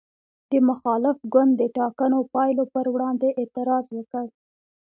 د مخالف ګوند د ټاکنو پایلو پر وړاندې اعتراض وکړ.